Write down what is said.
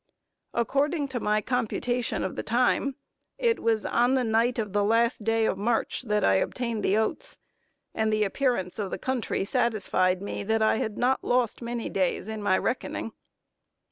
According to my computation of time, it was on the night of the last day of March that I obtained the oats; and the appearance of the country satisfied me that I had not lost many days in my reckoning.